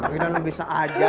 gak gitu nenek bisa aja